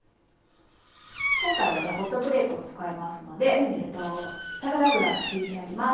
今回はホットプレートを使いますのでサラダ油がひいてあります。